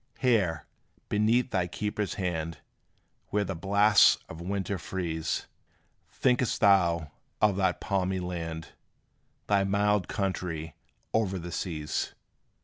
Here, beneath thy keeper's hand, Where the blasts of winter freeze, Think'st thou of that palmy land, Thy mild country o'er the seas?